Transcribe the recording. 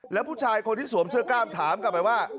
แล้วผู้ชายคนที่สวมเสื้อกล้ามถามกลับไปว่า